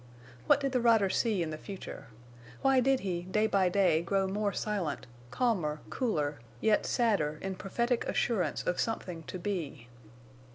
What did the rider see in the future? Why did he, day by day, grow more silent, calmer, cooler, yet sadder in prophetic assurance of something to be?